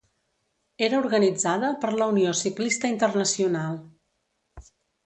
Era organitzada per la Unió Ciclista Internacional.